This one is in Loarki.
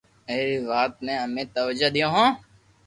ائرو وات نيي امي توجِ ديو ھون